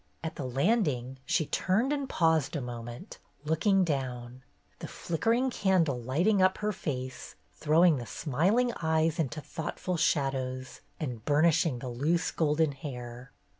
At the landing she turned and paused a moment, looking down, the flickering candle lighting up her face, throwing the smiling eyes into thoughtful shadows and burnishing the loose golden hair.